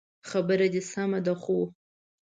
خبره دي سمه ده خو